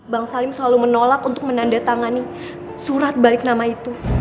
bang salim selalu menolak untuk menandatangani surat balik nama itu